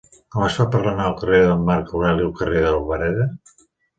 Com es fa per anar del carrer de Marc Aureli al carrer d'Albareda?